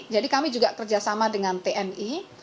jadi kami juga kerjasama dengan tni